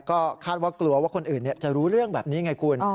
ก็คาดว่ากลัวว่าคนอื่นจะรู้เรื่องแบบนี้ไงคุณ